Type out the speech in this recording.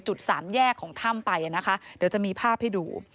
สามแยกของถ้ำไปนะคะเดี๋ยวจะมีภาพให้ดู